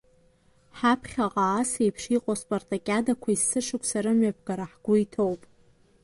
Ҳаԥхьаҟа ас еиԥш иҟоу аспартакиадақәа есышықәса рымҩаԥгара ҳгәы иҭоуп.